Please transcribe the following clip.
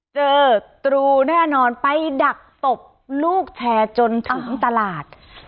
ตรูแน่นอนไปดักตบลูกแชร์จนทั้งตลาด